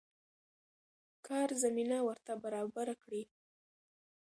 کار زمينه ورته برابره کړي.